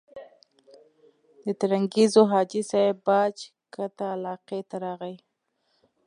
د ترنګزیو حاجي صاحب باج کټه علاقې ته راغی.